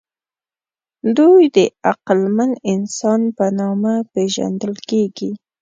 دوی د عقلمن انسان په نامه پېژندل کېږي.